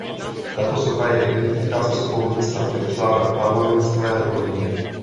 Tato socha je identická se sochou Winstona Churchilla na Parliament Square v Londýně.